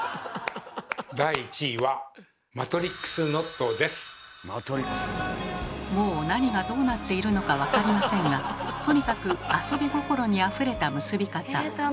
第１位はもう何がどうなっているのか分かりませんがとにかく遊び心にあふれた結び方。